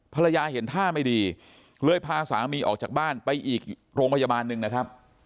ภรรยาเห็นท่าไม่ดีเลยพาสามีออกจากบ้านไปอีกโรงพยาบาลหนึ่งนะครับ